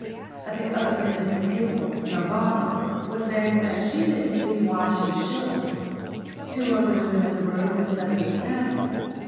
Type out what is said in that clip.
At the other end of the table "Nirvana" was saying that she didn't see why she shouldn't two other women in the room had set the example.